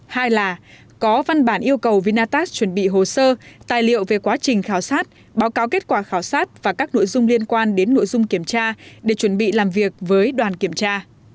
hai là có văn bản yêu cầu vinatas chuẩn bị hồ sơ tài liệu về quá trình khảo sát báo cáo kết quả khảo sát và các nội dung liên quan đến nội dung kiểm tra để chuẩn bị làm việc với đoàn kiểm tra